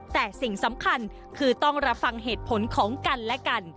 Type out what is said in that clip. แต่สิ่งสำคัญคือต้องรับฟังเหตุผลของกันและกัน